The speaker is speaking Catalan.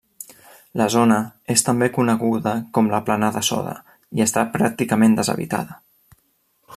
La zona és també coneguda com la Plana de Soda, i està pràcticament deshabitada.